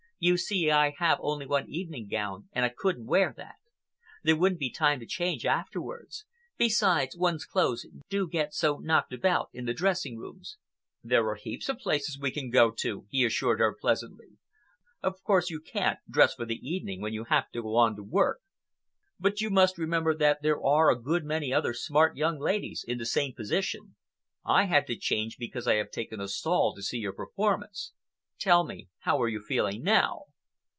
You see, I have only one evening gown and I couldn't wear that. There wouldn't be time to change afterwards. Besides, one's clothes do get so knocked about in the dressing rooms." "There are heaps of places we can go to," he assured her pleasantly. "Of course you can't dress for the evening when you have to go on to work, but you must remember that there are a good many other smart young ladies in the same position. I had to change because I have taken a stall to see your performance. Tell me, how are you feeling now?"